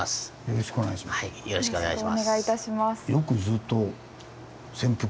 よろしくお願いします。